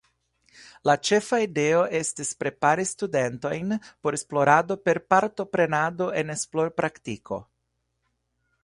La ĉefa ideo estis prepari studentojn por esplorado per partoprenado en esplorpraktiko.